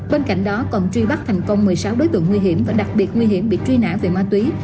bên cạnh đó còn truy bắt thành công một mươi sáu đối tượng nguy hiểm và đặc biệt nguy hiểm bị truy nã về ma túy